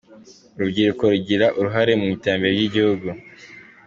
Urubyiruko rugira uruhare mu iterambere ry’igihugu.